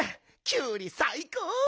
キュウリさいこう！